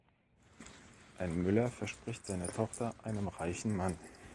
Ein Müller verspricht seine Tochter einem reichen Mann.